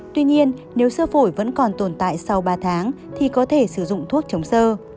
tuy nhiên nếu sơ phổi vẫn còn tồn tại sau ba tháng thì có thể sử dụng thuốc chống sơ